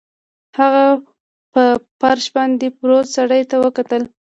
هغه په فرش باندې پروت سړي ته وکتل